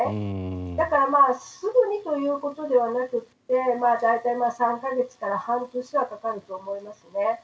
だからすぐにということではなくて大体、３か月から半年はかかると思いますね。